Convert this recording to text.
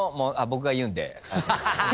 僕が言うんで。